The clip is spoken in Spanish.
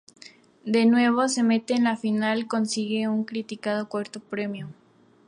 De nuevo, se mete en la final y consigue un criticado cuarto premio.